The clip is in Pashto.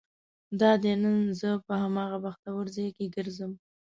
دادی نن زه په همدغه بختور ځای کې ګرځم.